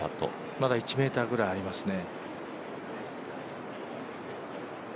まだ１ｍぐらいありますね。